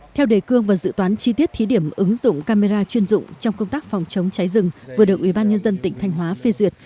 theo đề cương và dự toán chi tiết thí điểm ứng dụng camera chuyên dụng trong công tác phòng chống cháy rừng vừa được ubnd tỉnh thanh hóa phê duyệt